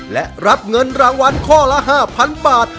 และรับเงินรางวัลข้อละ๕๐๐๐บาท